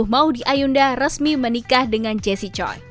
maudie ayunda resmi menikah dengan jessi choy